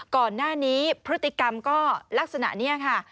ก่อนหน้านี้พฤติกรรมก็ลักษณะนี้ค่ะ